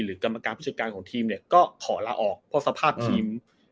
หรือกรรมการพิจารณ์ของทีมเนี่ยก็ขอละออกเพราะสภาพทีมมันมันมันไม่มี